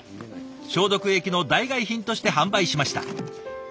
消毒液の代替え品として販売しました。